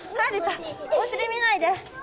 お尻見ないで。